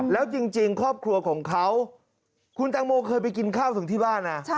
แล้วจริงครอบครัวของเขาคุณตังโมเคยไปกินข้าวถึงที่บ้านนะ